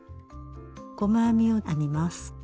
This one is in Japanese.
細編みを編みます。